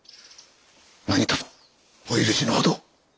何とぞお許しのほど。